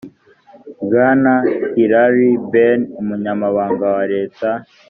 bwana hilary benny umunyamabanga wa leta